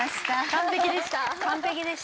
完璧でした。